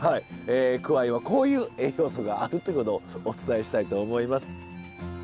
くわいはこういう栄養素があるということをお伝えしたいと思います。